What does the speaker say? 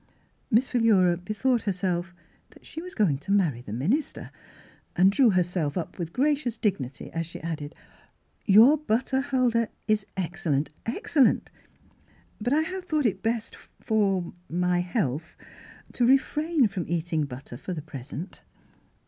Miss Philura bethought herself that she was going to marry the minister, and drew herself up with gracious dignity as she added, " Your butter, Huldah, is excellent — excellent. But I have thought it best for •— my health to refrain from eating but ter for the present."